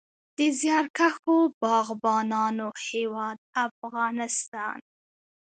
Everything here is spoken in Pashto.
د زیارکښو باغبانانو هیواد افغانستان.